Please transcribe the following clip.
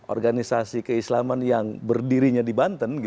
organisasi keislaman yang berdirinya di banten